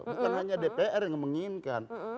bukan hanya dpr yang menginginkan